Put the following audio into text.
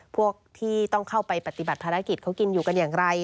พวกที่ต้องเข้าไปปฏิบัติภารกิจเขากินอยู่กันอย่างไร